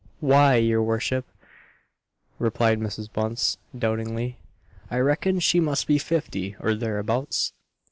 "Why, your worship," replied Mrs. Bunce, doubtingly, "I reckon she must be fifty or thereabouts!"